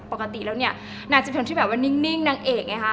ปกติแล้วเนี่ยนางจะเป็นคนที่แบบว่านิ่งนางเอกไงคะ